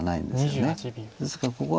ですからここは。